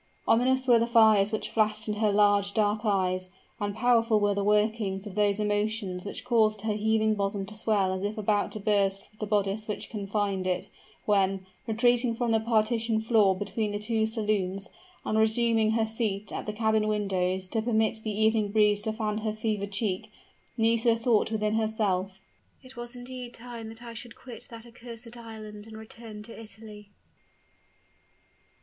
Ominous were the fires which flashed in her large dark eyes, and powerful were the workings of those emotions which caused her heaving bosom to swell as if about to burst the bodice which confined it, when, retreating from the partition floor between the two saloons, and resuming her seat at the cabin windows to permit the evening breeze to fan her fevered cheek, Nisida thought within herself, "It was indeed time that I should quit that accursed island, and return to Italy!"